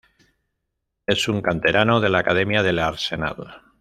Es un canterano de la Academia del Arsenal.